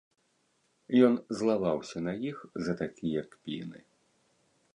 Ён злаваўся на іх за такія кпіны.